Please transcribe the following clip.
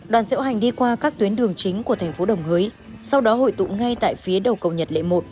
đoàn diễu hành đi qua các tuyến đường chính của thành phố đồng hới sau đó hội tụ ngay tại phía đầu cầu nhật lễ một